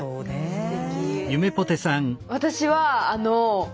すてき。